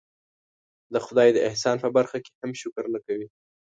د خدای د احسان په برخه کې هم شکر نه کوي.